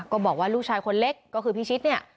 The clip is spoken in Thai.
บอกว่าลูกชายคนเล็กก็คือพิชิตเนี่ย